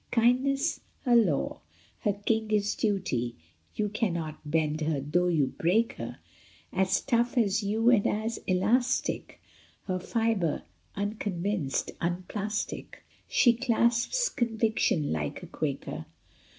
Kindness her law ; her king is duty. You cannot bend her though you break her ; As tough as yew and as elastic Her fibre ; unconvinced, unplastic, She clasps conviction like a Quaker.